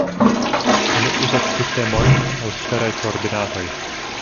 Oni uzas sistemojn el sferaj koordinatoj.